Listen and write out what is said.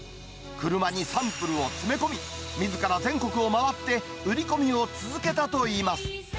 車にサンプルを詰め込み、みずから全国を回って売り込みを続けたといいます。